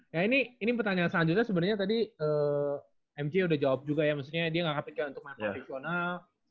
ya ini pertanyaan selanjutnya sebenernya tadi mj udah jawab juga ya maksudnya dia gak kepikiran untuk main profesional